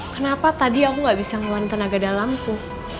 kenapa tadi aku nggak bisa ngeluarin tenaga dalammu